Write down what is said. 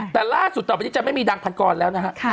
แต่ล่าสุดต่อไปนี้จะไม่มีดังพันกรแล้วนะฮะ